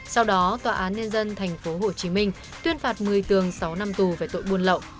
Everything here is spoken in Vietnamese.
sau đó tòa án nhân dân tp hcm tuyên phạt một mươi tường sáu năm tù về tội buôn lậu